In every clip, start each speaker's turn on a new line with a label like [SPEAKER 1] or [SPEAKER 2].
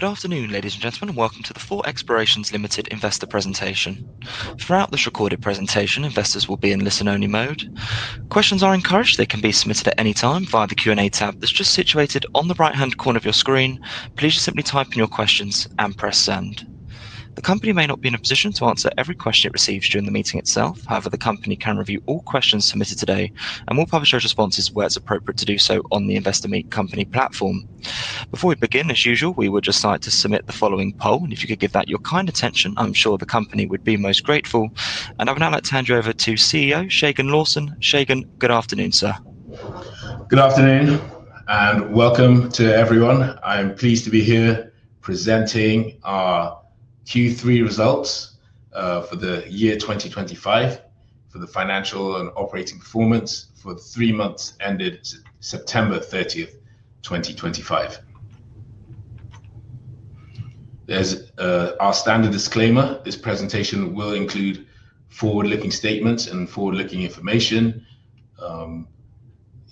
[SPEAKER 1] Good afternoon, ladies and gentlemen. Welcome to the Thor Explorations Limited investor presentation. Throughout this recorded presentation, investors will be in listen-only mode. Questions are encouraged; they can be submitted at any time via the Q&A tab that is just situated on the right-hand corner of your screen. Please just simply type in your questions and press send. The company may not be in a position to answer every question it receives during the meeting itself. However, the company can review all questions submitted today and will publish those responses where it is appropriate to do so on the Investor Meet Company platform. Before we begin, as usual, we would just like to submit the following poll, and if you could give that your kind attention, I am sure the company would be most grateful. I would now like to hand you over to CEO Segun Lawson. Segun, good afternoon, sir.
[SPEAKER 2] Good afternoon and welcome to everyone. I'm pleased to be here presenting our Q3 results for the year 2025, for the financial and operating performance for the three months ended September 30th, 2025. There is our standard disclaimer: this presentation will include forward-looking statements and forward-looking information.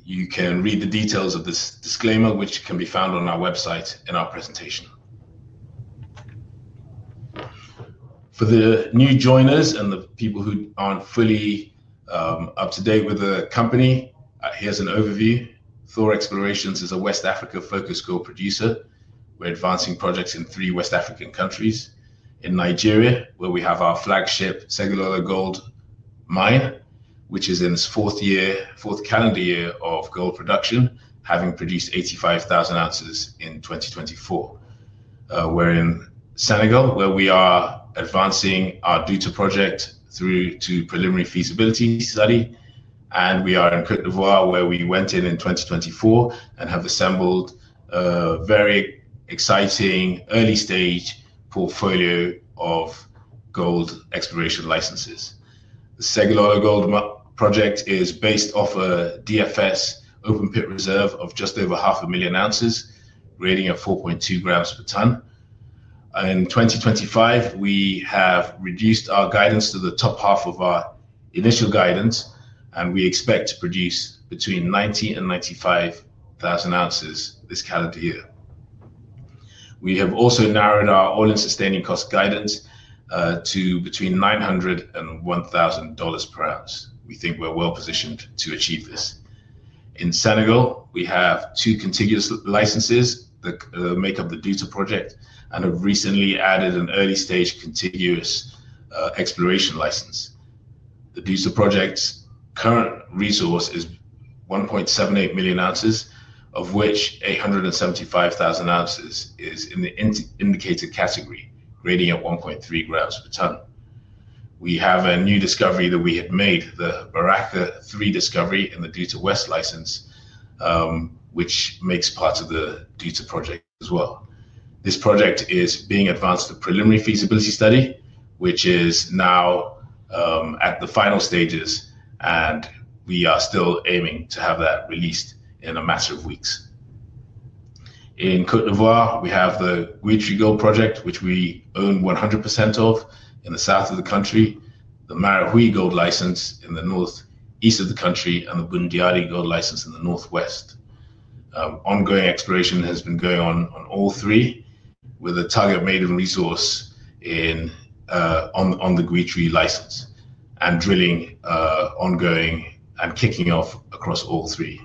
[SPEAKER 2] You can read the details of this disclaimer, which can be found on our website in our presentation. For the new joiners and the people who aren't fully up to date with the company, here is an overview. Thor Explorations is a West Africa focus group producer. We're advancing projects in three West African countries: in Nigeria, where we have our flagship Segilola Gold Mine, which is in its fourth calendar year of gold production, having produced 85,000 ounces in 2024. We're in Senegal, where we are advancing our Douta Project through to preliminary feasibility study. We are in Côte d'Ivoire, where we went in in 2024 and have assembled a very exciting early-stage portfolio of gold exploration licenses. The Segilola Gold Mine is based off a DFS open pit reserve of just over 500,000 ounces, rating at 4.2g per ton. In 2025, we have reduced our guidance to the top half of our initial guidance, and we expect to produce between 90,000 and 95,000 ounces this calendar year. We have also narrowed our all-in sustaining cost guidance to between $900 and $1,000 per ounce. We think we're well positioned to achieve this. In Senegal, we have two contiguous licenses that make up the Douta Project and have recently added an early-stage contiguous exploration license. The Douta Project's current resource is 1.78 million ounces, of which 875,000 ounces is in the indicated category, rating at 1.3g per ton. We have a new discovery that we have made, the Baraka 3 discovery in the Douta West license, which makes part of the Douta Project as well. This project is being advanced to preliminary feasibility study, which is now at the final stages, and we are still aiming to have that released in a matter of weeks. In Côte d'Ivoire, we have the Guitry Gold project, which we own 100% of in the south of the country, the Marahui Gold license in the northeast of the country, and the Boundiali Gold license in the northwest. Ongoing exploration has been going on on all three, with a target made of resource on the Guitry license and drilling ongoing and kicking off across all three.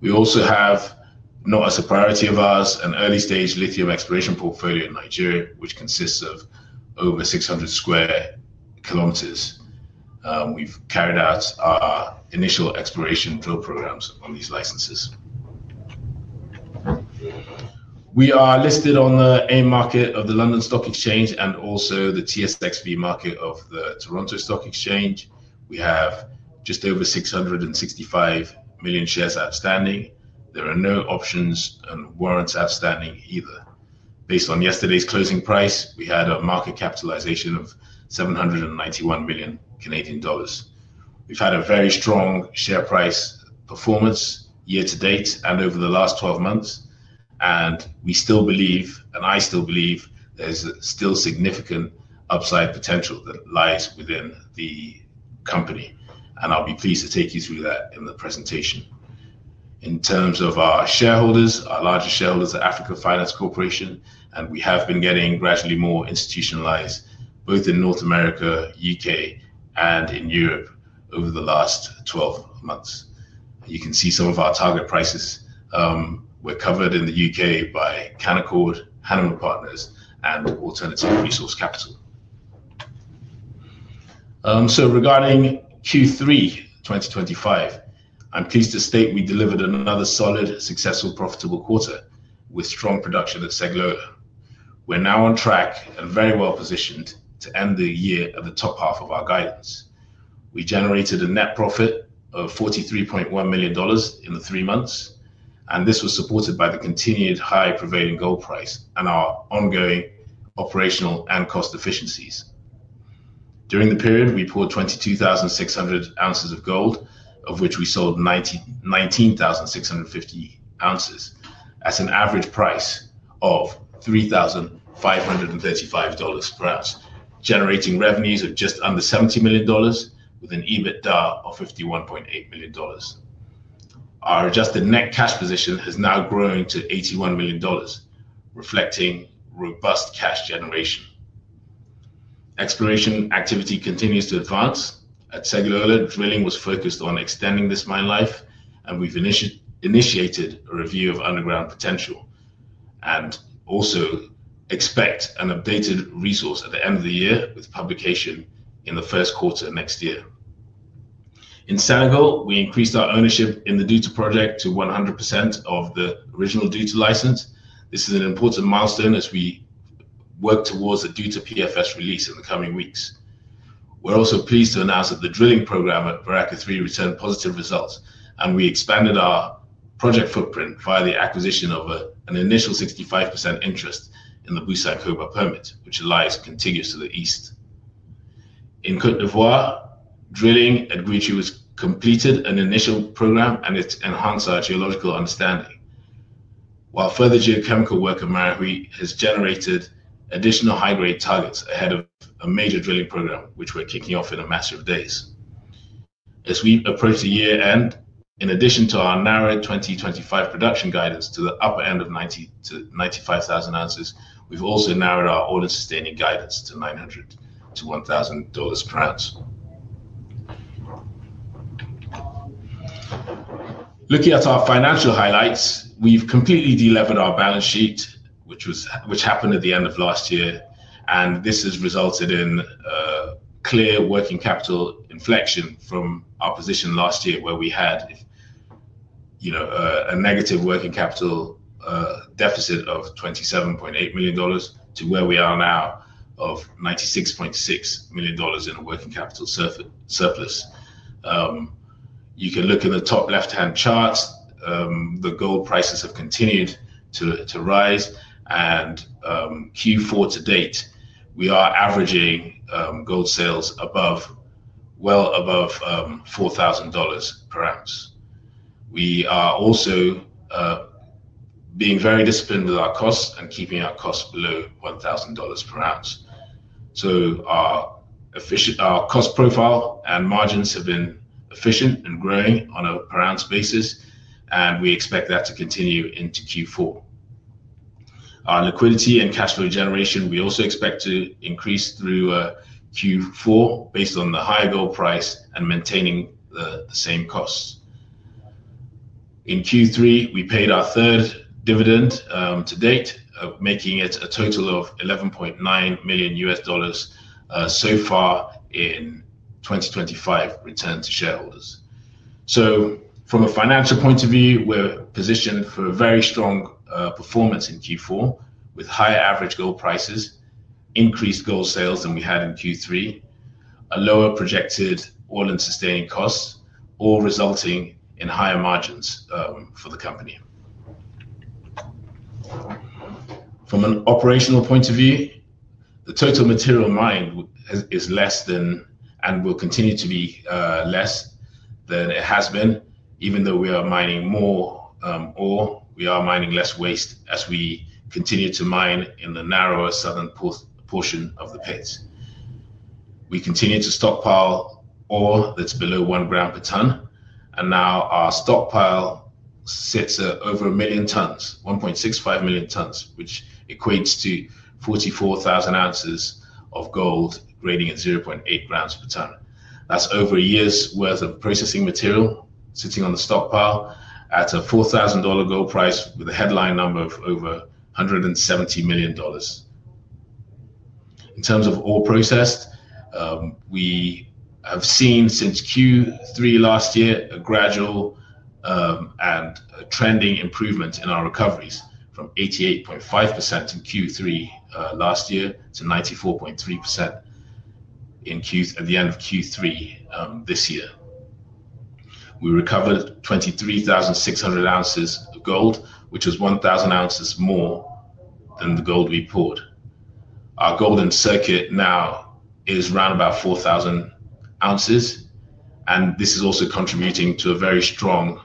[SPEAKER 2] We also have, not as a priority of ours, an early-stage lithium exploration portfolio in Nigeria, which consists of over 600 sq km. We've carried out our initial exploration drill programs on these licenses. We are listed on the AIM market of the London Stock Exchange and also the TSX-V market of the Toronto Stock Exchange. We have just over 665 million shares outstanding. There are no options and warrants outstanding either. Based on yesterday's closing price, we had a market capitalization of 791 million Canadian dollars. We've had a very strong share price performance year to date and over the last 12 months, and we still believe, and I still believe, there's still significant upside potential that lies within the company, and I'll be pleased to take you through that in the presentation. In terms of our shareholders, our largest shareholders are Africa Finance Corporation, and we have been getting gradually more institutionalized, both in North America, the U.K., and in Europe over the last 12 months. You can see some of our target prices. We're covered in the U.K. by Canaccord, Hannam & Partners, and Alternative Resource Capital. Regarding Q3 2025, I'm pleased to state we delivered another solid, successful, profitable quarter with strong production at Segilola. We're now on track and very well positioned to end the year at the top half of our guidance. We generated a net profit of $43.1 million in the three months, and this was supported by the continued high prevailing gold price and our ongoing operational and cost efficiencies. During the period, we poured 22,600 ounces of gold, of which we sold 19,650 ounces, at an average price of $3,535 per ounce, generating revenues of just under $70 million with an EBITDA of $51.8 million. Our adjusted net cash position has now grown to $81 million, reflecting robust cash generation. Exploration activity continues to advance at Segilola. Drilling was focused on extending this mine life, and we've initiated a review of underground potential and also expect an updated resource at the end of the year with publication in the first quarter next year. In Senegal, we increased our ownership in the Douta Project to 100% of the original Douta license. This is an important milestone as we work towards a Douta PFS release in the coming weeks. We're also pleased to announce that the drilling program at Baraka 3 returned positive results, and we expanded our project footprint via the acquisition of an initial 65% interest in the Boussac-Koba permit, which lies contiguous to the east. In Côte d'Ivoire, drilling at Guitry was completed, an initial program, and it enhanced our geological understanding. While further geochemical work at Marahui has generated additional high-grade targets ahead of a major drilling program, which we're kicking off in a matter of days. As we approach the year end, in addition to our narrowed 2025 production guidance to the upper end of 90,000-95,000 ounces, we've also narrowed our all-in sustaining guidance to $900-$1,000 per ounce. Looking at our financial highlights, we've completely de-levered our balance sheet, which happened at the end of last year, and this has resulted in clear working capital inflection from our position last year, where we had a negative working capital deficit of $27.8 million to where we are now of $96.6 million in a working capital surplus. You can look in the top left-hand chart; the gold prices have continued to rise, and Q4 to date, we are averaging gold sales well above $4,000 per ounce. We are also being very disciplined with our costs and keeping our costs below $1,000 per ounce. Our cost profile and margins have been efficient and growing on a per ounce basis, and we expect that to continue into Q4. Our liquidity and cash flow generation, we also expect to increase through Q4 based on the high gold price and maintaining the same costs. In Q3, we paid our third dividend to date, making it a total of $11.9 million so far in 2025 returned to shareholders. From a financial point of view, we are positioned for a very strong performance in Q4 with higher average gold prices, increased gold sales than we had in Q3, a lower projected all-in sustaining costs, all resulting in higher margins for the company. From an operational point of view, the total material mined is less than and will continue to be less than it has been, even though we are mining more ore. We are mining less waste as we continue to mine in the narrower southern portion of the pits. We continue to stockpile ore that's below one gram per ton, and now our stockpile sits at over one million tons, 1.65 million tons, which equates to 44,000 ounces of gold, grading at 0.8g per ton. That's over a year's worth of processing material sitting on the stockpile at a $4,000 gold price with a headline number of over $170 million. In terms of ore processed, we have seen since Q3 last year a gradual and trending improvement in our recoveries from 88.5% in Q3 last year to 94.3% at the end of Q3 this year. We recovered 23,600 ounces of gold, which was 1,000 ounces more than the gold we poured. Our golden circuit now is around about 4,000 ounces, and this is also contributing to a very strong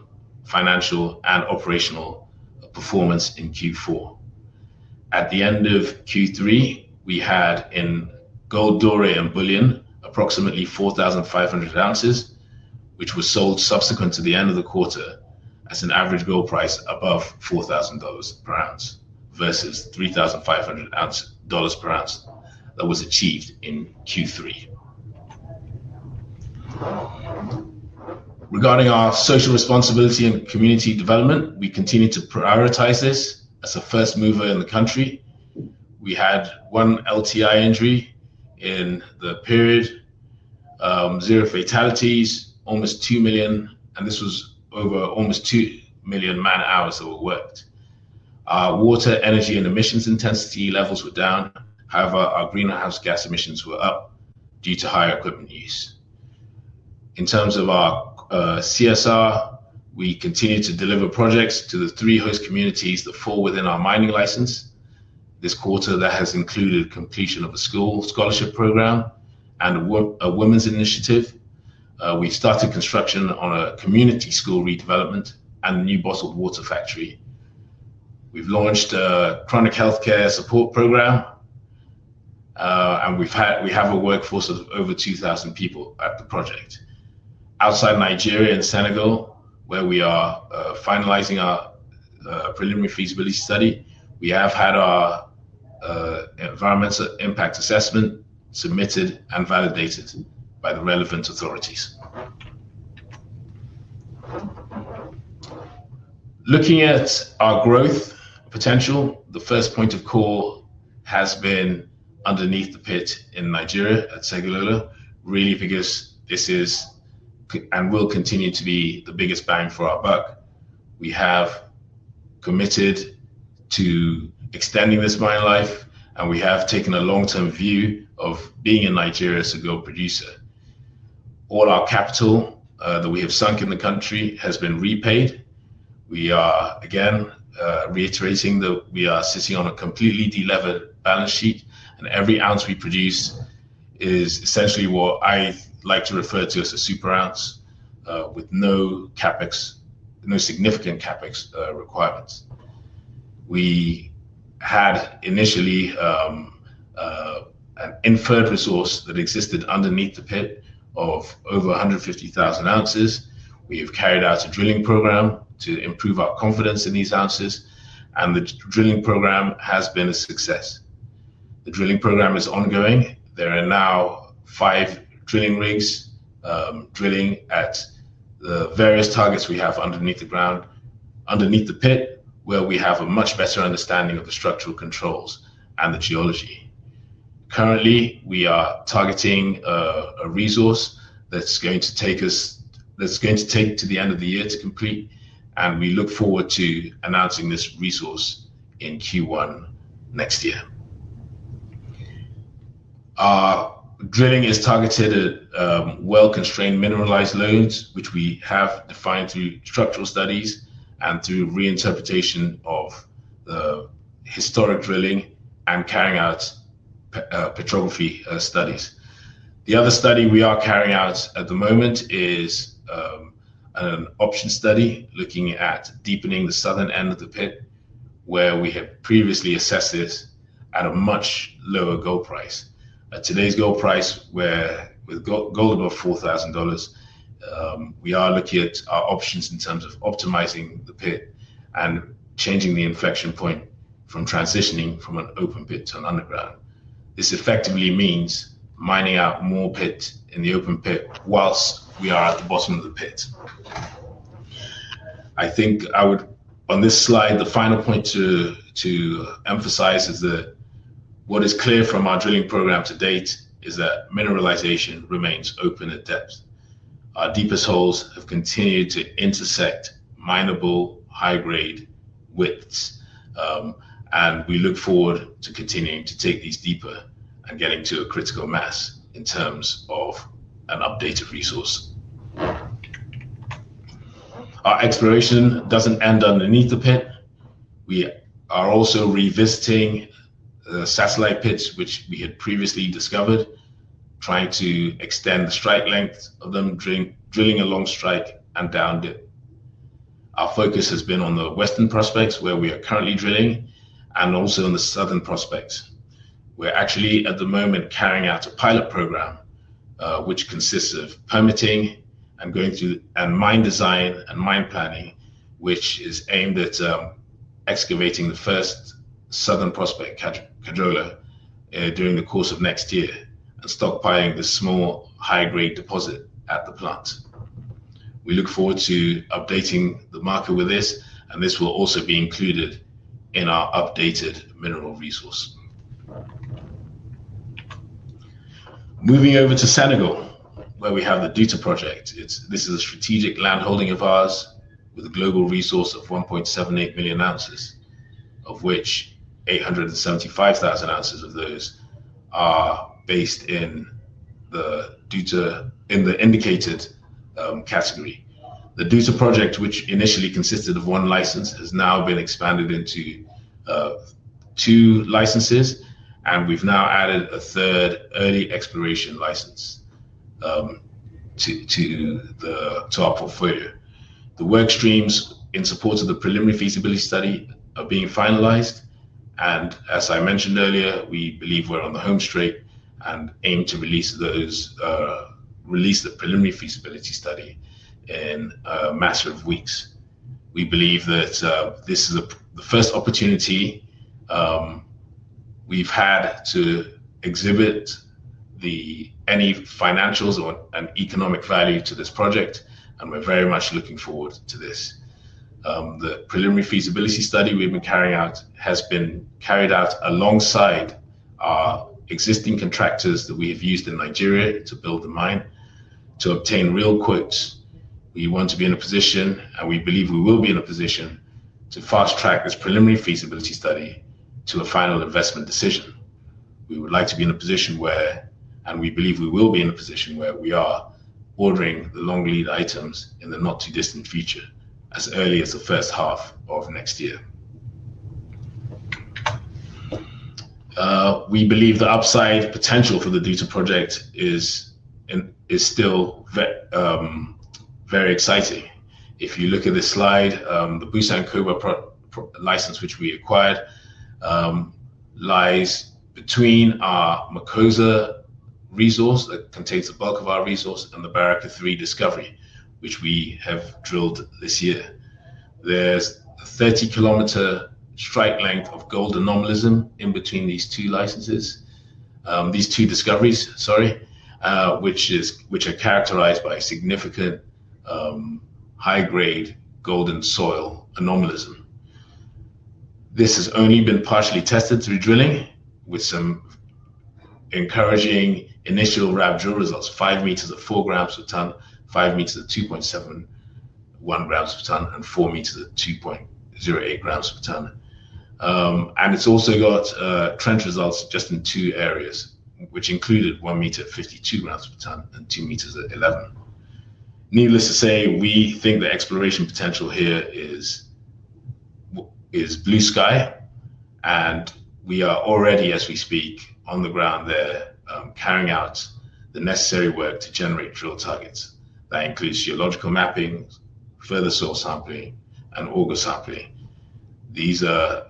[SPEAKER 2] financial and operational performance in Q4. At the end of Q3, we had in gold, dory, and bullion approximately 4,500 ounces, which were sold subsequent to the end of the quarter at an average gold price above $4,000 per ounce versus $3,500 per ounce that was achieved in Q3. Regarding our social responsibility and community development, we continue to prioritize this as a first mover in the country. We had one LTI injury in the period, zero fatalities, and this was over almost 2 million man-hours that were worked. Our water, energy, and emissions intensity levels were down. However, our greenhouse gas emissions were up due to higher equipment use. In terms of our CSR, we continue to deliver projects to the three host communities that fall within our mining license. This quarter, that has included completion of a school scholarship program and a women's initiative. We've started construction on a community school redevelopment and a new bottled water factory. We've launched a chronic healthcare support program, and we have a workforce of over 2,000 people at the project. Outside Nigeria and Senegal, where we are finalizing our preliminary feasibility study, we have had our environmental impact assessment submitted and validated by the relevant authorities. Looking at our growth potential, the first point of call has been underneath the pit in Nigeria at Segilola, really because this is and will continue to be the biggest bang for our buck. We have committed to extending this mine life, and we have taken a long-term view of being in Nigeria as a gold producer. All our capital that we have sunk in the country has been repaid. We are, again, reiterating that we are sitting on a completely de-levered balance sheet, and every ounce we produce is essentially what I like to refer to as a super ounce with no significant CapEx requirements. We had initially an inferred resource that existed underneath the pit of over 150,000 ounces. We have carried out a drilling program to improve our confidence in these ounces, and the drilling program has been a success. The drilling program is ongoing. There are now five drilling rigs drilling at the various targets we have underneath the ground, underneath the pit, where we have a much better understanding of the structural controls and the geology. Currently, we are targeting a resource that's going to take us that's going to take to the end of the year to complete, and we look forward to announcing this resource in Q1 next year. Our drilling is targeted at well-constrained mineralized loads, which we have defined through structural studies and through reinterpretation of the historic drilling and carrying out petrography studies. The other study we are carrying out at the moment is an option study looking at deepening the southern end of the pit, where we have previously assessed it at a much lower gold price. At today's gold price, we're with gold above $4,000. We are looking at our options in terms of optimizing the pit and changing the inflection point from transitioning from an open pit to an underground. This effectively means mining out more pits in the open pit whilst we are at the bottom of the pit. I think I would, on this slide, the final point to emphasize is that what is clear from our drilling program to date is that mineralization remains open at depth. Our deepest holes have continued to intersect minable high-grade widths, and we look forward to continuing to take these deeper and getting to a critical mass in terms of an updated resource. Our exploration does not end underneath the pit. We are also revisiting the satellite pits, which we had previously discovered, trying to extend the strike length of them drilling along strike and down dip. Our focus has been on the western prospects, where we are currently drilling, and also on the southern prospects. We are actually, at the moment, carrying out a pilot program, which consists of permitting and going through and mine design and mine planning, which is aimed at excavating the first southern prospect, Kejola Lawla, during the course of next year and stockpiling the small high-grade deposit at the plant. We look forward to updating the market with this, and this will also be included in our updated mineral resource. Moving over to Senegal, where we have the Douta Project. This is a strategic landholding of ours with a global resource of 1.78 million ounces, of which 875,000 ounces of those are based in the indicated category. The Douta Project, which initially consisted of one license, has now been expanded into two licenses, and we've now added a third early exploration license to our portfolio. The work streams in support of the preliminary feasibility study are being finalized, and as I mentioned earlier, we believe we're on the home straight and aim to release the preliminary feasibility study in a matter of weeks. We believe that this is the first opportunity we've had to exhibit any financials and economic value to this project, and we're very much looking forward to this. The preliminary feasibility study we've been carrying out has been carried out alongside our existing contractors that we have used in Nigeria to build the mine. To obtain real quotes, we want to be in a position, and we believe we will be in a position to fast-track this preliminary feasibility study to a final investment decision. We would like to be in a position where, and we believe we will be in a position where we are ordering the long lead items in the not-too-distant future as early as the first half of next year. We believe the upside potential for the Douta Project is still very exciting. If you look at this slide, the Boussac-Koba license, which we acquired, lies between our Makosa resource that contains the bulk of our resource and the Baraka 3 discovery, which we have drilled this year. There is a 30 km strike length of gold anomalism in between these two licenses, these two discoveries, sorry, which are characterized by significant high-grade gold-in-soil anomalism. This has only been partially tested through drilling with some encouraging initial RAB drill results: 5 meters at 4g per ton, 5 meters at 2.71g per ton, and 4 meters at 2.08g per ton. It has also got trench results just in two areas, which included 1 meter at 52g per ton and 2 meters at 11. Needless to say, we think the exploration potential here is blue sky, and we are already, as we speak, on the ground there carrying out the necessary work to generate drill targets. That includes geological mapping, further soil sampling, and auger sampling. These are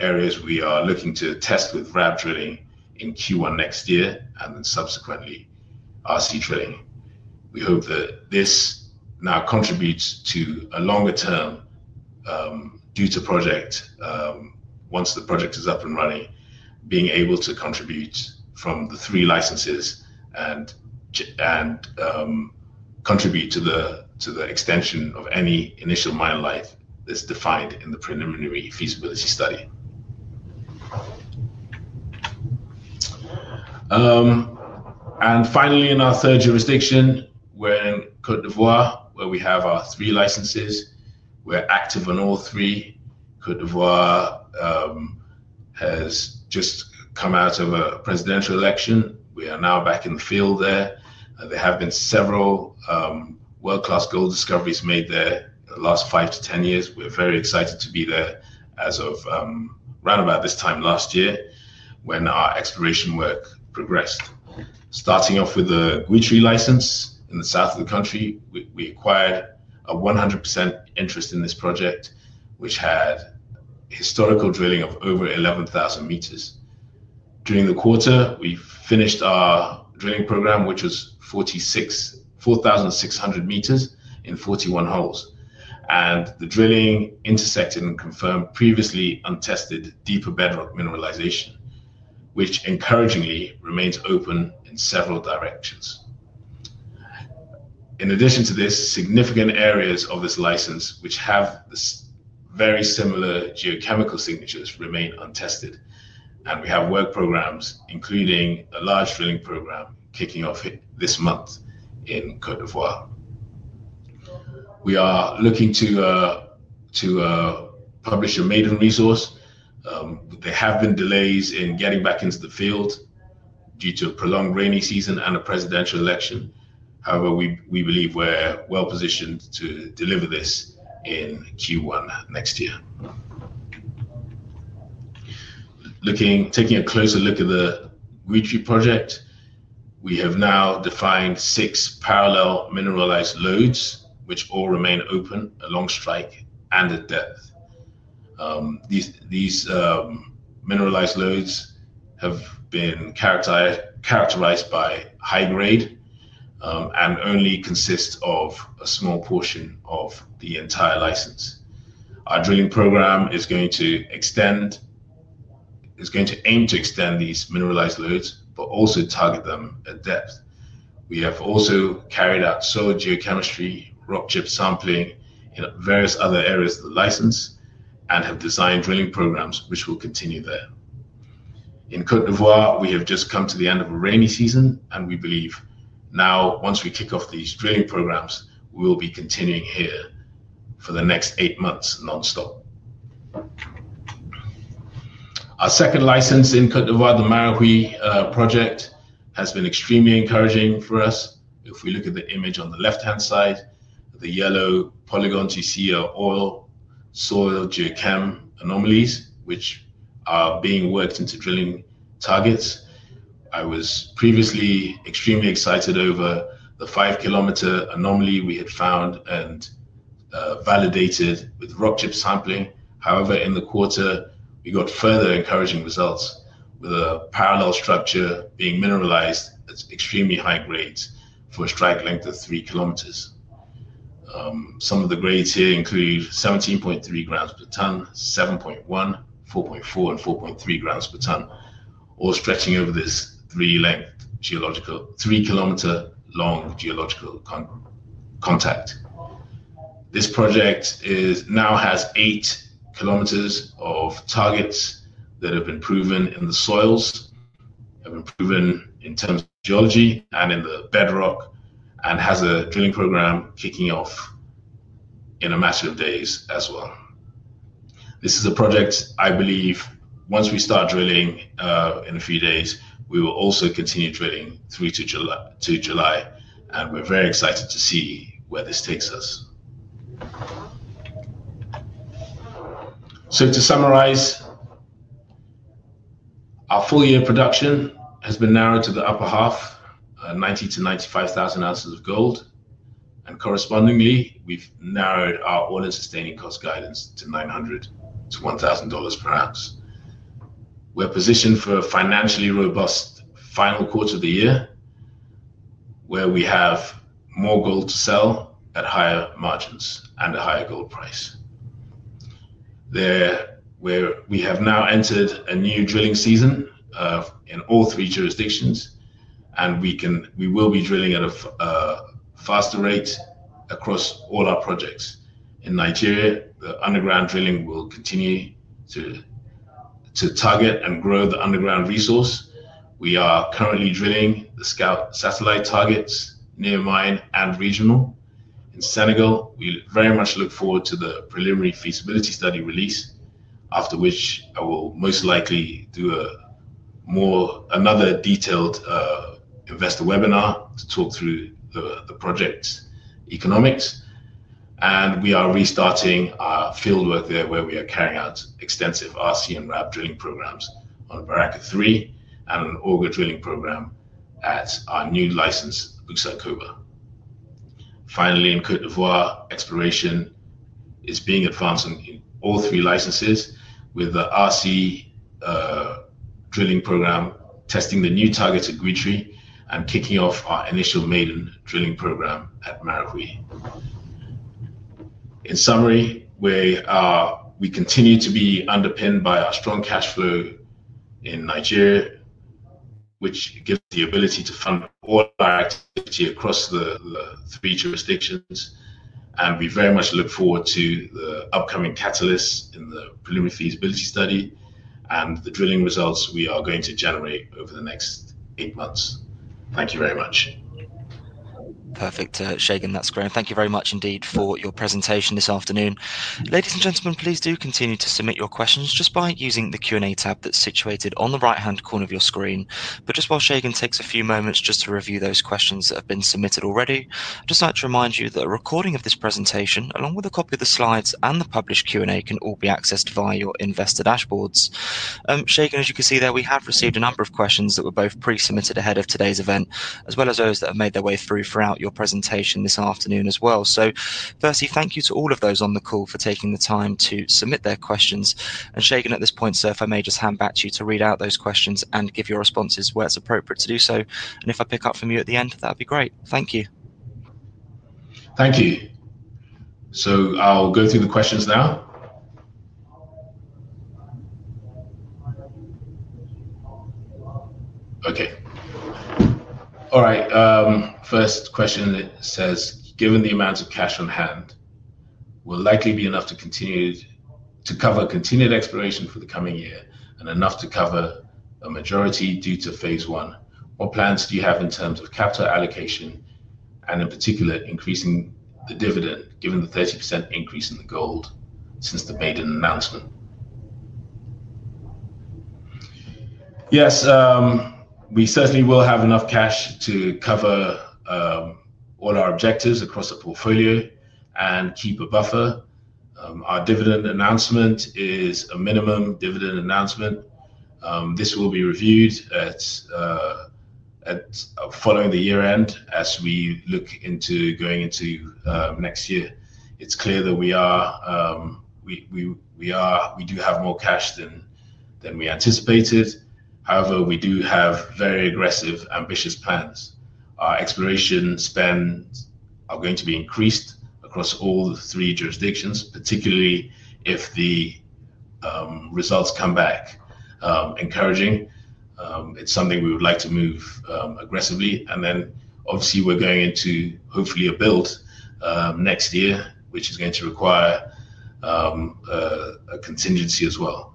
[SPEAKER 2] areas we are looking to test with RAB drilling in Q1 next year and then subsequently RC drilling. We hope that this now contributes to a longer-term Douta Project once the project is up and running, being able to contribute from the three licenses and contribute to the extension of any initial mine life that is defined in the preliminary feasibility study. Finally, in our third jurisdiction, we are in Côte d'Ivoire, where we have our three licenses. We are active on all three. Côte d'Ivoire has just come out of a presidential election. We are now back in the field there. There have been several world-class gold discoveries made there the last 5 to 10 years. We're very excited to be there as of round about this time last year when our exploration work progressed. Starting off with the Guitry license in the south of the country, we acquired a 100% interest in this project, which had historical drilling of over 11,000 meters. During the quarter, we finished our drilling program, which was 4,600 meters in 41 holes, and the drilling intersected and confirmed previously untested deeper bedrock mineralization, which encouragingly remains open in several directions. In addition to this, significant areas of this license, which have very similar geochemical signatures, remain untested, and we have work programs, including a large drilling program kicking off this month in Côte d'Ivoire. We are looking to publish a maiden resource. There have been delays in getting back into the field due to a prolonged rainy season and a presidential election. However, we believe we're well positioned to deliver this in Q1 next year. Taking a closer look at the Guitry project, we have now defined six parallel mineralized lodes, which all remain open along strike and at depth. These mineralized lodes have been characterized by high grade and only consist of a small portion of the entire license. Our drilling program is going to aim to extend these mineralized lodes, but also target them at depth. We have also carried out soil geochemistry, rock chip sampling in various other areas of the license, and have designed drilling programs which will continue there. In Côte d'Ivoire, we have just come to the end of a rainy season, and we believe now, once we kick off these drilling programs, we will be continuing here for the next eight months non-stop. Our second license in Côte d'Ivoire, the Marahui project, has been extremely encouraging for us. If we look at the image on the left-hand side, the yellow polygons you see are soil geochem anomalies, which are being worked into drilling targets. I was previously extremely excited over the 5 km anomaly we had found and validated with rock chip sampling. However, in the quarter, we got further encouraging results with a parallel structure being mineralized at extremely high grades for a strike length of 3 km. Some of the grades here include 17.3g per ton, 7.1g, 4.4g, and 4.3g per ton, all stretching over this 3 km long geological contact. This project now has 8 km of targets that have been proven in the soils, have been proven in terms of geology and in the bedrock, and has a drilling program kicking off in a matter of days as well. This is a project I believe once we start drilling in a few days, we will also continue drilling through to July, and we're very excited to see where this takes us. To summarize, our full-year production has been narrowed to the upper half, 90-95 thousand ounces of gold, and correspondingly, we've narrowed our all-in sustaining cost guidance to $900-$1,000 per ounce. We're positioned for a financially robust final quarter of the year, where we have more gold to sell at higher margins and a higher gold price. We have now entered a new drilling season in all three jurisdictions, and we will be drilling at a faster rate across all our projects. In Nigeria, the underground drilling will continue to target and grow the underground resource. We are currently drilling the scout satellite targets near mine and regional. In Senegal, we very much look forward to the preliminary feasibility study release, after which I will most likely do another detailed investor webinar to talk through the project's economics, and we are restarting our fieldwork there where we are carrying out extensive RC and RAB drilling programs on Baraka 3 and an auger drilling program at our new license, Boussac-Koba. Finally, in Côte d'Ivoire, exploration is being advanced in all three licenses with the RC drilling program, testing the new targets at Guitry and kicking off our initial maiden drilling program at Marahui. In summary, we continue to be underpinned by our strong cash flow in Nigeria, which gives the ability to fund all our activity across the three jurisdictions, and we very much look forward to the upcoming catalysts in the preliminary feasibility study and the drilling results we are going to generate over the next eight months. Thank you very much.
[SPEAKER 1] Perfect, Segun, that's great. Thank you very much indeed for your presentation this afternoon. Ladies and gentlemen, please do continue to submit your questions just by using the Q&A tab that's situated on the right-hand corner of your screen. While Segun takes a few moments to review those questions that have been submitted already, I'd just like to remind you that a recording of this presentation, along with a copy of the slides and the published Q&A, can all be accessed via your investor dashboards. Segun, as you can see there, we have received a number of questions that were both pre-submitted ahead of today's event, as well as those that have made their way through throughout your presentation this afternoon as well. Firstly, thank you to all of those on the call for taking the time to submit their questions. Segun, at this point, sir, if I may just hand back to you to read out those questions and give your responses where it's appropriate to do so. If I pick up from you at the end, that would be great. Thank you.
[SPEAKER 2] Thank you. I'll go through the questions now. All right. First question says, "Given the amount of cash on hand, will likely be enough to cover continued exploration for the coming year and enough to cover a majority due to phase one? What plans do you have in terms of capital allocation and, in particular, increasing the dividend given the 30% increase in the gold since the maiden announcement? Yes, we certainly will have enough cash to cover all our objectives across the portfolio and keep a buffer. Our dividend announcement is a minimum dividend announcement. This will be reviewed following the year-end as we look into going into next year. It's clear that we do have more cash than we anticipated. However, we do have very aggressive, ambitious plans. Our exploration spend are going to be increased across all three jurisdictions, particularly if the results come back encouraging. It's something we would like to move aggressively. Obviously, we're going into, hopefully, a build next year, which is going to require a contingency as well.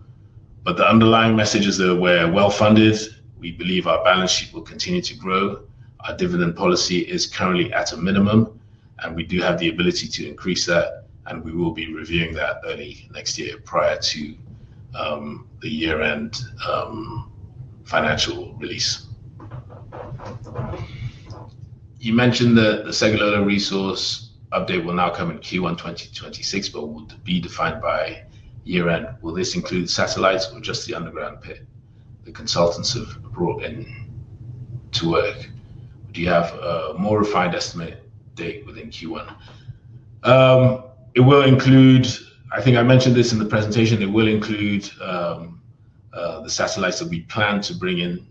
[SPEAKER 2] The underlying message is that we're well funded. We believe our balance sheet will continue to grow. Our dividend policy is currently at a minimum, and we do have the ability to increase that, and we will be reviewing that early next year prior to the year-end financial release. You mentioned that the Segilola resource update will now come in Q1 2026, but will be defined by year-end. Will this include satellites or just the underground pit the consultants have brought in to work? Do you have a more refined estimate date within Q1? It will include, I think I mentioned this in the presentation, it will include the satellites that we plan to bring in.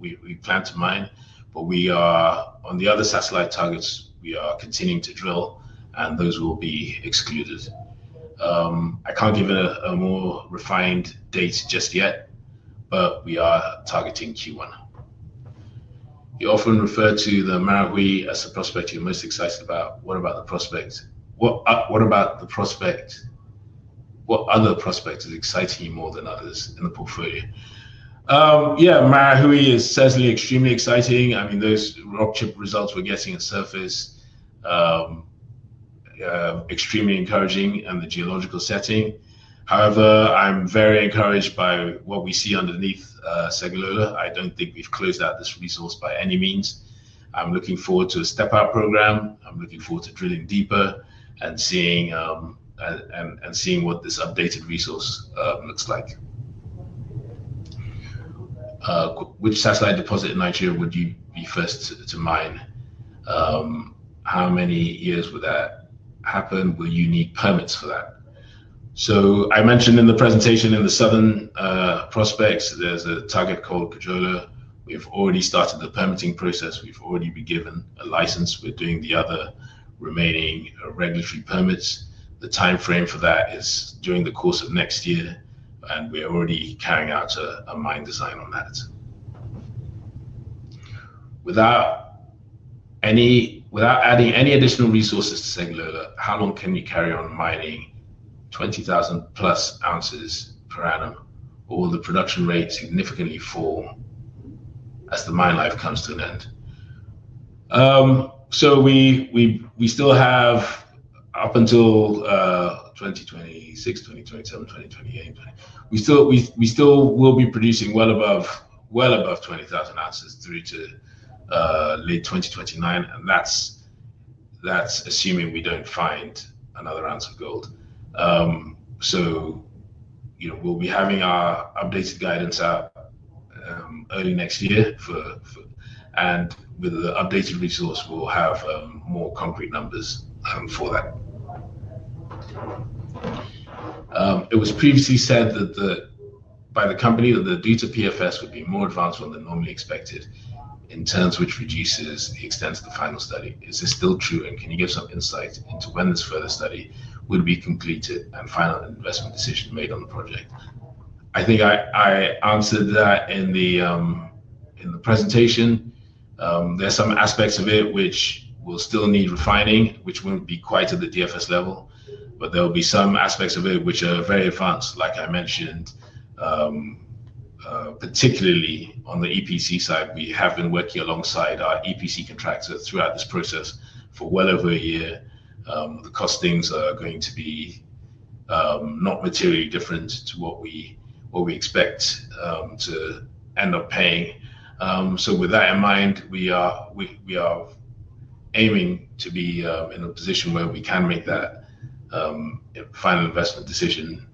[SPEAKER 2] We plan to mine, but on the other satellite targets, we are continuing to drill, and those will be excluded. I can't give a more refined date just yet, but we are targeting Q1. You often refer to the Marahui as the prospect you're most excited about. What about the prospect? What about the prospect? What other prospect is exciting you more than others in the portfolio? Yeah, Marahui is certainly extremely exciting. I mean, those rock chip results we're getting at surface, extremely encouraging in the geological setting. However, I'm very encouraged by what we see underneath Segilola. I don't think we've closed out this resource by any means. I'm looking forward to a step-out program. I'm looking forward to drilling deeper and seeing what this updated resource looks like. Which satellite deposit in Nigeria would you be first to mine? How many years would that happen? Will you need permits for that? I mentioned in the presentation in the southern prospects, there's a target called Kejola. We've already started the permitting process. We've already been given a license. We're doing the other remaining regulatory permits. The timeframe for that is during the course of next year, and we're already carrying out a mine design on that. Without adding any additional resources to Segun Lawson, how long can we carry on mining 20,000 plus ounces per annum? Will the production rate significantly fall as the mine life comes to an end? We still have, up until 2026, 2027, 2028, we still will be producing well above 20,000 ounces through to late 2029, and that's assuming we don't find another ounce of gold. We'll be having our updated guidance out early next year, and with the updated resource, we'll have more concrete numbers for that. It was previously said by the company that the Douta PFS would be more advanced than normally expected in terms which reduces the extent of the final study. Is this still true, and can you give some insight into when this further study would be completed and final investment decision made on the project? I think I answered that in the presentation. There are some aspects of it which will still need refining, which will not be quite at the DFS level, but there will be some aspects of it which are very advanced, like I mentioned, particularly on the EPC side. We have been working alongside our EPC contractor throughout this process for well over a year. The costings are going to be not materially different to what we expect to end up paying. With that in mind, we are aiming to be in a position where we can make that final investment decision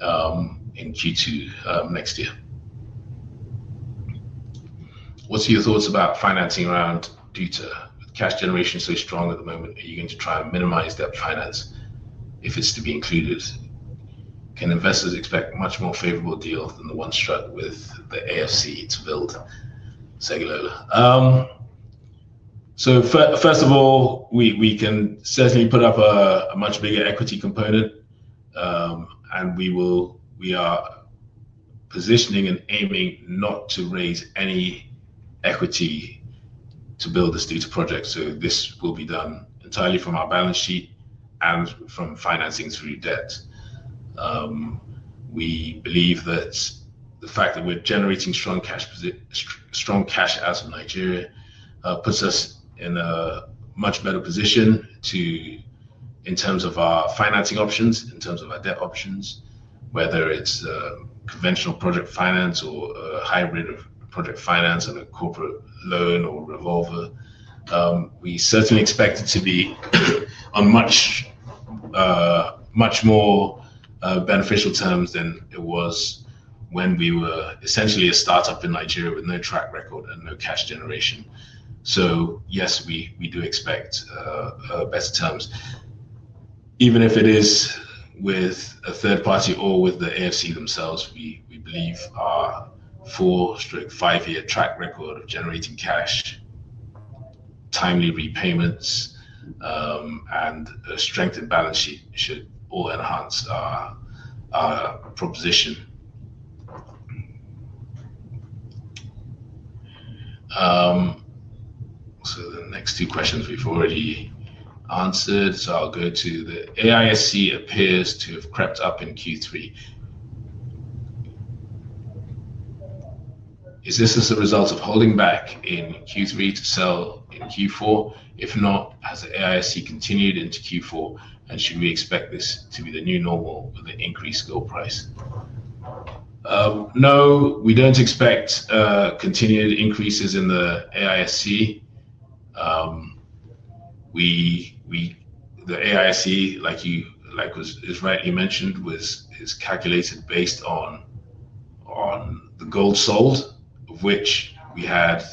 [SPEAKER 2] in Q2 next year. What is your thoughts about financing around Douta? With cash generation so strong at the moment, are you going to try and minimize that finance if it's to be included? Can investors expect much more favorable deals than the one struck with the AFC to build Segilola? First of all, we can certainly put up a much bigger equity component, and we are positioning and aiming not to raise any equity to build this Douta Project. This will be done entirely from our balance sheet and from financing through debt. We believe that the fact that we're generating strong cash out of Nigeria puts us in a much better position in terms of our financing options, in terms of our debt options, whether it's conventional project finance or a hybrid of project finance and a corporate loan or revolver. We certainly expect it to be on much more beneficial terms than it was when we were essentially a startup in Nigeria with no track record and no cash generation. Yes, we do expect better terms. Even if it is with a third party or with the AFC themselves, we believe our full, strict five-year track record of generating cash, timely repayments, and a strengthened balance sheet should all enhance our proposition. The next two questions we've already answered. I'll go to the AISC appears to have crept up in Q3. Is this as a result of holding back in Q3 to sell in Q4? If not, has the AISC continued into Q4, and should we expect this to be the new normal with an increased gold price? No, we don't expect continued increases in the AISC. The AISC, like it was rightly mentioned, is calculated based on the gold sold, of which we had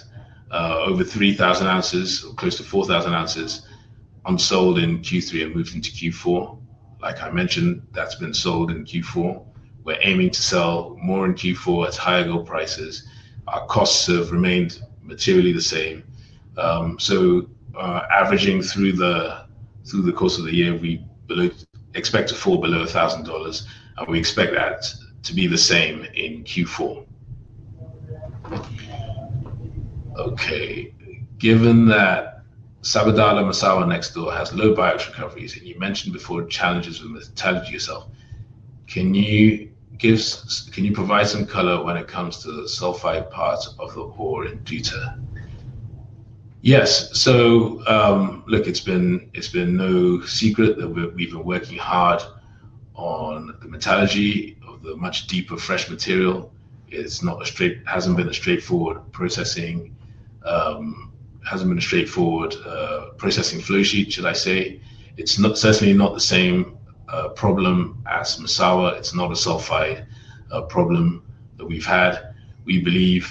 [SPEAKER 2] over 3,000 ounces, close to 4,000 ounces, unsold in Q3 and moved into Q4. Like I mentioned, that's been sold in Q4. We're aiming to sell more in Q4 at higher gold prices. Our costs have remained materially the same. So averaging through the course of the year, we expect to fall below $1,000, and we expect that to be the same in Q4. Okay. Given that Sabodala-Massawa next door has low biotic recoveries, and you mentioned before challenges with metallurgy yourself, can you provide some color when it comes to the sulfide part of the ore in Douta? Yes. Look, it's been no secret that we've been working hard on the metallurgy of the much deeper fresh material. It hasn't been a straightforward processing. It hasn't been a straightforward processing flow sheet, should I say. It's certainly not the same problem as Massawa. It's not a sulfide problem that we've had. We believe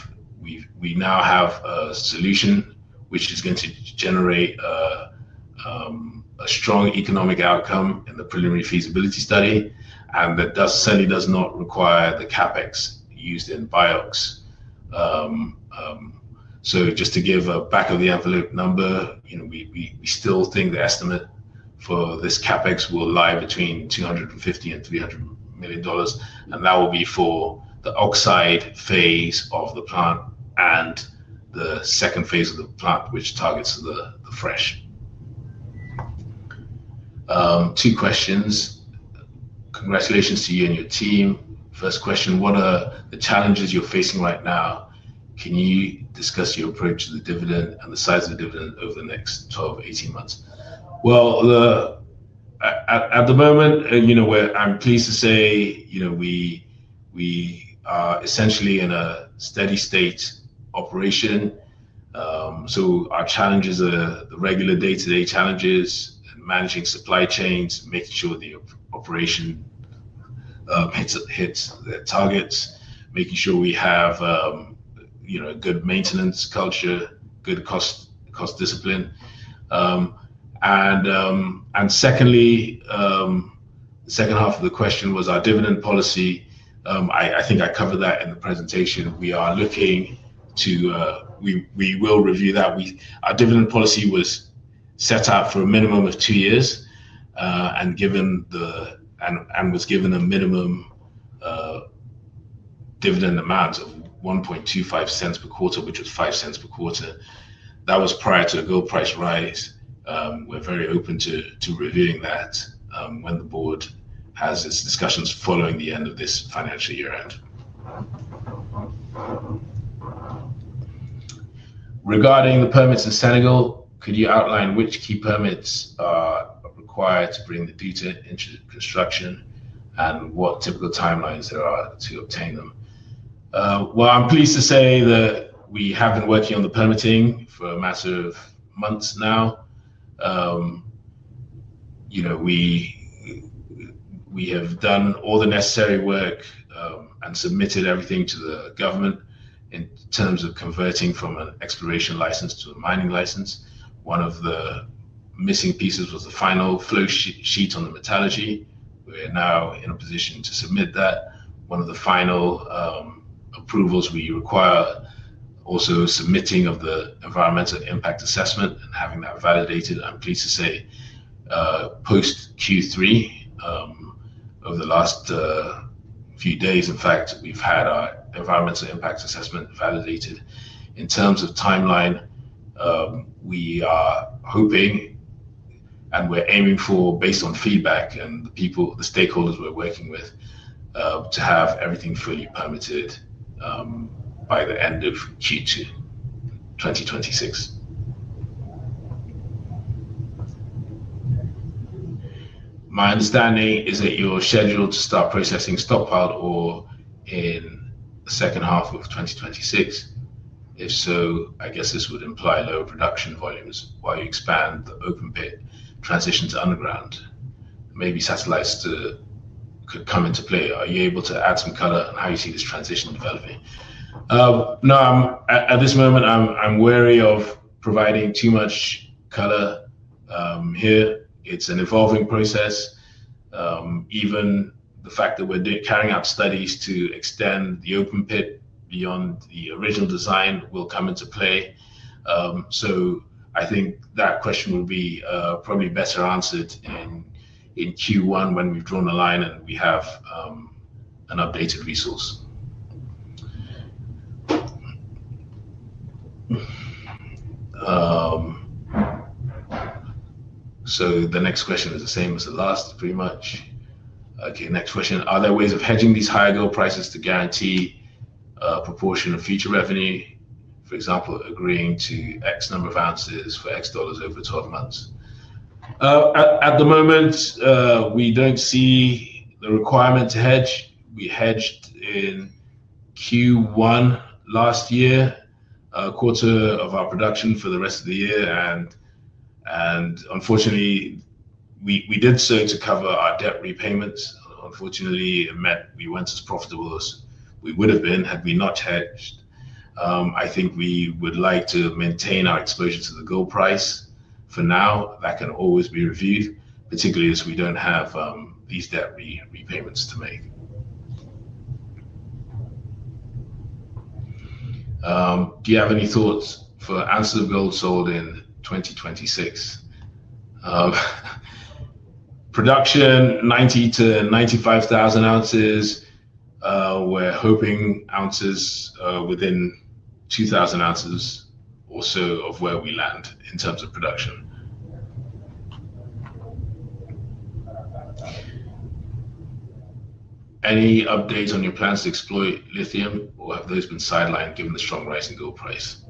[SPEAKER 2] we now have a solution which is going to generate a strong economic outcome in the preliminary feasibility study, and that certainly does not require the CapEx used in BIOX. Just to give a back-of-the-envelope number, we still think the estimate for this CapEx will lie between $250 million and $300 million, and that will be for the oxide phase of the plant and the second phase of the plant, which targets the fresh. Two questions. Congratulations to you and your team. First question, what are the challenges you're facing right now? Can you discuss your approach to the dividend and the size of the dividend over the next 12 to 18 months? At the moment, I'm pleased to say we are essentially in a steady-state operation. Our challenges are the regular day-to-day challenges, managing supply chains, making sure the operation hits the targets, making sure we have a good maintenance culture, good cost discipline. Secondly, the second half of the question was our dividend policy. I think I covered that in the presentation. We are looking to—we will review that. Our dividend policy was set up for a minimum of two years and was given a minimum dividend amount of $0.0125 per quarter, which was $0.05 per year. That was prior to the gold price rise. We are very open to reviewing that when the board has its discussions following the end of this financial year-end. Regarding the permits in Senegal, could you outline which key permits are required to bring the Douta into construction and what typical timelines there are to obtain them? I'm pleased to say that we have been working on the permitting for a matter of months now. We have done all the necessary work and submitted everything to the government in terms of converting from an exploration license to a mining license. One of the missing pieces was the final flow sheet on the metallurgy. We're now in a position to submit that. One of the final approvals we require also is submitting of the environmental impact assessment and having that validated. I'm pleased to say post Q3 over the last few days, in fact, we've had our environmental impact assessment validated. In terms of timeline, we are hoping and we're aiming for, based on feedback and the stakeholders we're working with, to have everything fully permitted by the end of Q2 2026. My understanding is that you're scheduled to start processing stockpiled ore in the second half of 2026. If so, I guess this would imply lower production volumes while you expand the open pit transition to underground. Maybe satellites could come into play. Are you able to add some color on how you see this transition developing? No, at this moment, I'm wary of providing too much color here. It's an evolving process. Even the fact that we're carrying out studies to extend the open pit beyond the original design will come into play. I think that question will be probably better answered in Q1 when we've drawn a line and we have an updated resource. The next question is the same as the last, pretty much. Okay, next question. Are there ways of hedging these higher gold prices to guarantee a proportion of future revenue, for example, agreeing to X number of ounces for X dollars over 12 months? At the moment, we don't see the requirement to hedge. We hedged in Q1 last year, a quarter of our production for the rest of the year. Unfortunately, we did so to cover our debt repayments. Unfortunately, it meant we weren't as profitable as we would have been had we not hedged. I think we would like to maintain our exposure to the gold price for now. That can always be reviewed, particularly as we don't have these debt repayments to make. Do you have any thoughts for ounces of gold sold in 2026? Production, 90-95 thousand ounces. We're hoping ounces within 2,000 ounces or so of where we land in terms of production. Any updates on your plans to exploit lithium, or have those been sidelined given the strong rising gold price?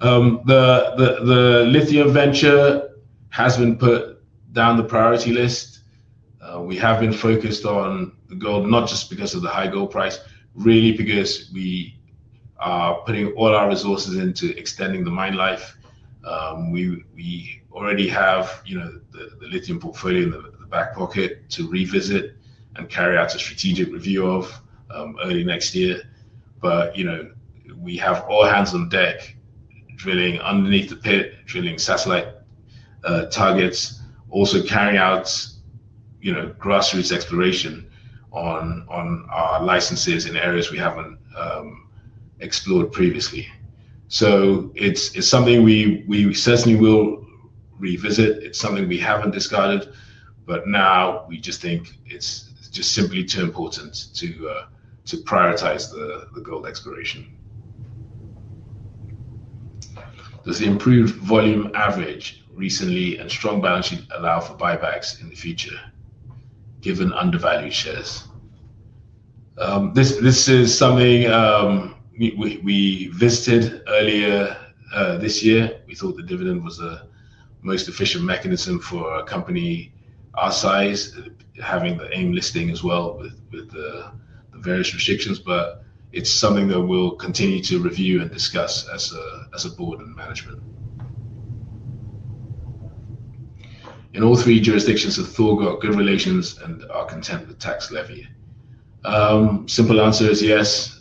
[SPEAKER 2] The lithium venture has been put down the priority list. We have been focused on the gold, not just because of the high gold price, really because we are putting all our resources into extending the mine life. We already have the lithium portfolio in the back pocket to revisit and carry out a strategic review of early next year. We have all hands on deck, drilling underneath the pit, drilling satellite targets, also carrying out grassroots exploration on our licenses in areas we haven't explored previously. It's something we certainly will revisit. It's something we haven't discarded, but now we just think it's just simply too important to prioritize the gold exploration. Does the improved volume average recently and strong balance sheet allow for buybacks in the future, given undervalued shares? This is something we visited earlier this year. We thought the dividend was the most efficient mechanism for a company our size, having the AIM listing as well with the various restrictions. It is something that we'll continue to review and discuss as a board and management. In all three jurisdictions, have Thor got good relations and are content with tax levy? Simple answer is yes.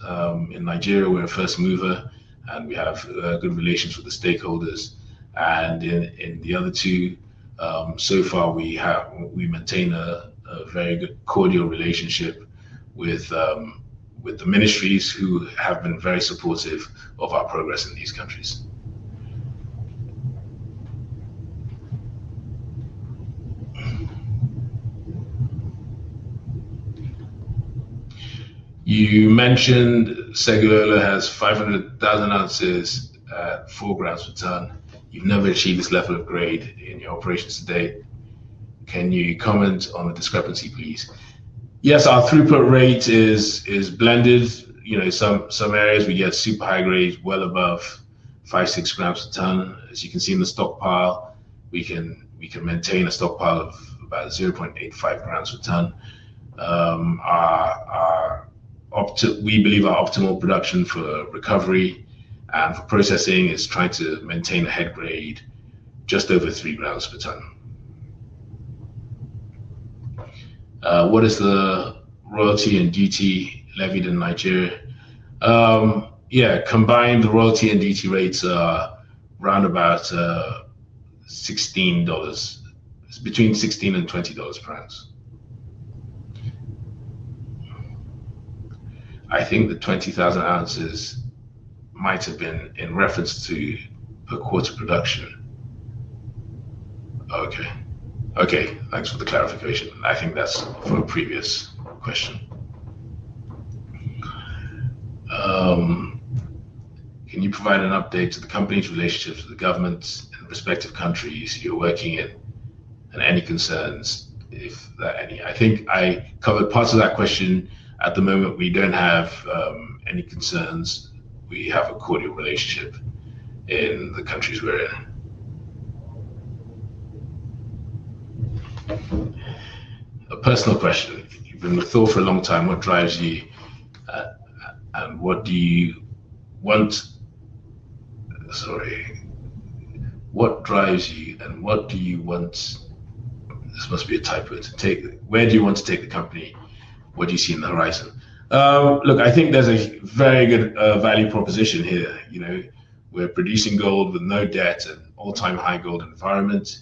[SPEAKER 2] In Nigeria, we're a first mover, and we have good relations with the stakeholders. In the other two, so far, we maintain a very good cordial relationship with the ministries who have been very supportive of our progress in these countries. You mentioned Segun Lawson has 500,000 ounces at 4g per ton. You've never achieved this level of grade in your operations to date. Can you comment on the discrepancy, please? Yes, our throughput rate is blended. In some areas, we get super high grades, well above 5g, 6g per ton. As you can see in the stockpile, we can maintain a stockpile of about 0.85g per ton. We believe our optimal production for recovery and for processing is trying to maintain a head grade just over 3g per ton. What is the royalty and duty levied in Nigeria? Yeah, combined, the royalty and duty rates are around about $16, between $16 and $20 per ounce. I think the 20,000 ounces might have been in reference to a quarter production. Okay. Okay. Thanks for the clarification. I think that's from a previous question. Can you provide an update to the company's relationships with the government and respective countries you're working in and any concerns, if there are any? I think I covered parts of that question. At the moment, we don't have any concerns. We have a cordial relationship in the countries we're in. A personal question. You've been with Thor for a long time. What drives you, and what do you want? Sorry. What drives you, and what do you want? This must be a tight word to take. Where do you want to take the company? What do you see in the horizon? Look, I think there's a very good value proposition here. We're producing gold with no debt and all-time high gold environment.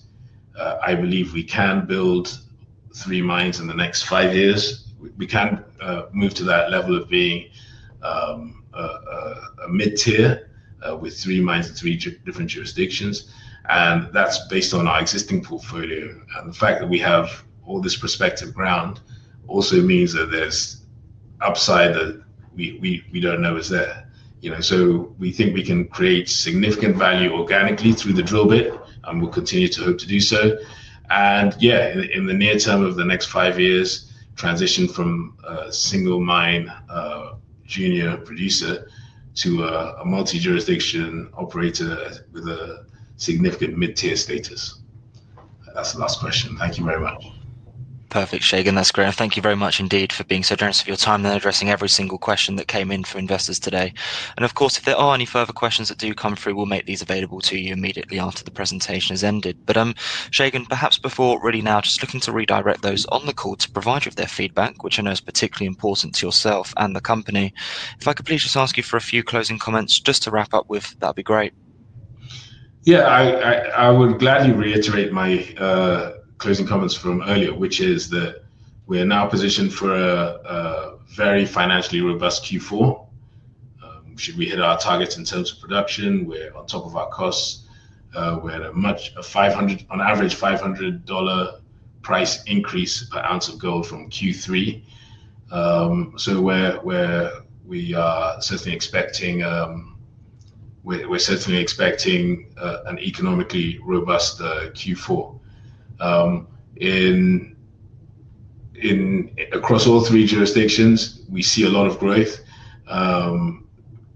[SPEAKER 2] I believe we can build three mines in the next five years. We can move to that level of being a mid-tier with three mines in three different jurisdictions. That is based on our existing portfolio. The fact that we have all this prospective ground also means that there is upside that we do not know is there. We think we can create significant value organically through the drill bit, and we will continue to hope to do so. In the near term of the next five years, transition from a single mine junior producer to a multi-jurisdiction operator with a significant mid-tier status. That is the last question. Thank you very much.
[SPEAKER 1] Perfect, Segun. That is great. Thank you very much indeed for being so generous of your time and addressing every single question that came in for investors today. Of course, if there are any further questions that do come through, we'll make these available to you immediately after the presentation has ended. Segun, perhaps before really now, just looking to redirect those on the call to provide you with their feedback, which I know is particularly important to yourself and the company. If I could please just ask you for a few closing comments just to wrap up with, that'd be great.
[SPEAKER 2] Yeah, I would gladly reiterate my closing comments from earlier, which is that we're now positioned for a very financially robust Q4. Should we hit our targets in terms of production? We're on top of our costs. We had a much of $500, on average, $500 price increase per ounce of gold from Q3. We're certainly expecting an economically robust Q4. Across all three jurisdictions, we see a lot of growth,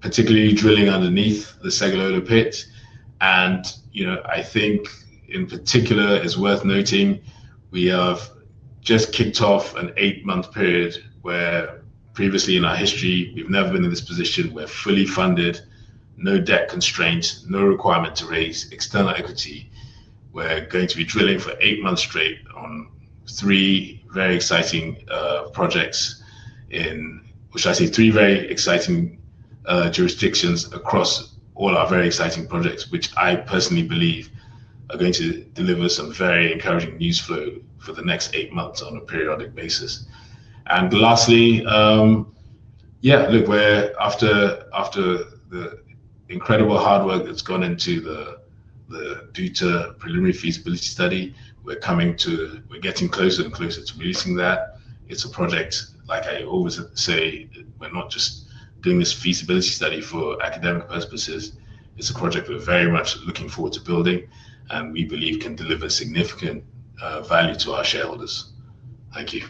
[SPEAKER 2] particularly drilling underneath the Segilola pit. I think, in particular, it's worth noting we have just kicked off an eight-month period where previously in our history, we've never been in this position. We're fully funded, no debt constraints, no requirement to raise external equity. We're going to be drilling for eight months straight on three very exciting projects, which I say three very exciting jurisdictions across all our very exciting projects, which I personally believe are going to deliver some very encouraging news flow for the next eight months on a periodic basis. Lastly, yeah, look, after the incredible hard work that's gone into the Douta preliminary feasibility study, we're getting closer and closer to releasing that. It's a project, like I always say, we're not just doing this feasibility study for academic purposes. It's a project we're very much looking forward to building, and we believe can deliver significant value to our shareholders. Thank you.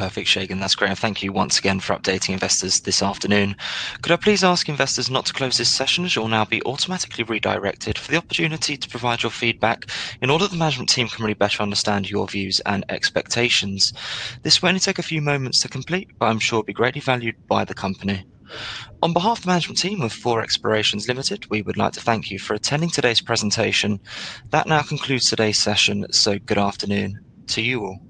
[SPEAKER 1] Perfect, Segun. That's great. Thank you once again for updating investors this afternoon. Could I please ask investors not to close this session? It will now be automatically redirected for the opportunity to provide your feedback in order that the management team can really better understand your views and expectations. This will only take a few moments to complete, but I'm sure it'll be greatly valued by the company. On behalf of the management team of Thor Explorations Limited, we would like to thank you for attending today's presentation. That now concludes today's session. Good afternoon to you all.